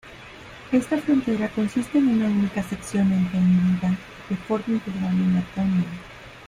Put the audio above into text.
Esta frontera consiste en una única sección entendida de forma integral en Laponia.